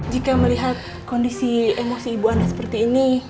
jika melihat kondisi emosi ibu anda seperti ini